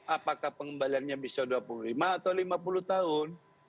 apakah pengembaliannya bisa dua puluh lima atau lima puluh tahun